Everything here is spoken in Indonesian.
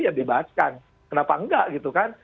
ya dibahaskan kenapa enggak gitu kan